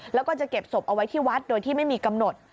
แล้วก็จะเก็บศพเอาไว้ที่วัดโดยที่ไม่มีกำหนด